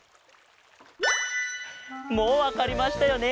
もうわかりましたよね？